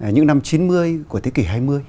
những năm chín mươi của thế kỷ hai mươi